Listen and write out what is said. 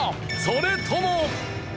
それとも。